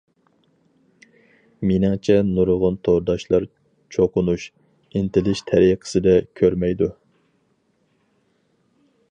مېنىڭچە نۇرغۇن تورداشلار چوقۇنۇش، ئىنتىلىش تەرىقىسىدە كۆرمەيدۇ.